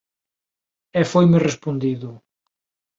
E foime respondido: